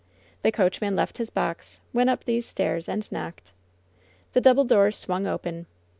The coachman left his box, went up these stairs and knocked. The double doors swung open.